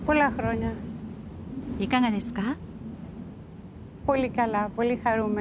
いかがですか？